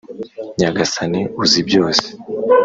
nyagasani! uzi byose